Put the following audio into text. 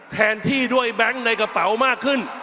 แทนที่ด้วยแบงค์ในกระเป๋ามากขึ้น